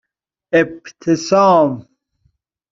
اِبتسام